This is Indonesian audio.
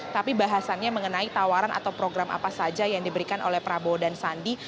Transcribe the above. tapi bahasannya mengenai tawaran atau program apa saja yang diberikan oleh prabowo dan sandi